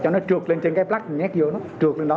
nó trượt lên trên cái plug mình nhét vô nó trượt lên đó